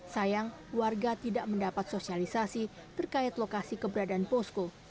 sayang warga tidak mendapat sosialisasi terkait lokasi keberadaan posko